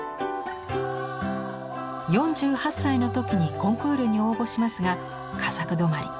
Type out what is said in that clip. ４８歳の時にコンクールに応募しますが佳作止まり。